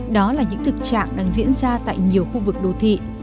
đó là những thực trạng đang diễn ra tại nhiều khu vực đô thị